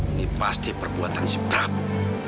ini pasti perbuatan si pelaku